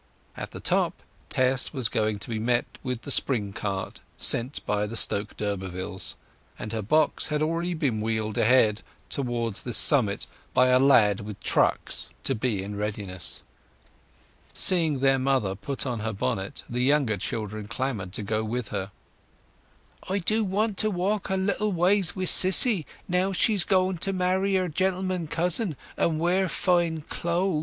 At the top Tess was going to be met with the spring cart sent by the Stoke d'Urbervilles, and her box had already been wheeled ahead towards this summit by a lad with trucks, to be in readiness. Seeing their mother put on her bonnet, the younger children clamoured to go with her. "I do want to walk a little ways wi' Sissy, now she's going to marry our gentleman cousin, and wear fine cloze!"